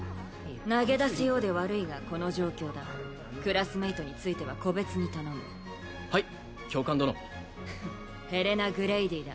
投げ出すようで悪いがこの状況だクラスメイトについては個別に頼むはい教官殿ヘレナ＝グレイディだ